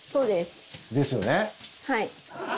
はい。